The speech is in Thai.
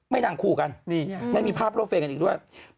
ไม่นั่งคู่กันไม่มีภาพร่อเฟย์กันอีกด้วย